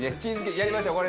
やりましょうこれ。